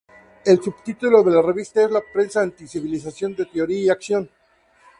El subtítulo de la revista es ""La Prensa Anti-Civilización de Teoría y Acción"".